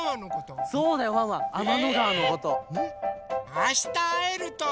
あしたあえるといいね。